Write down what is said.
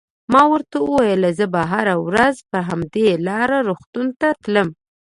ما ورته وویل: زه به هره ورځ پر همدې لار روغتون ته تلم.